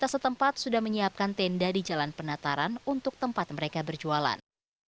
sebanyak enam puluh empat tempat sudah menyiapkan tenda di jalan penataran untuk tempat mereka berjualan